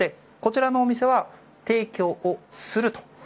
こちらのお店は提供をすると。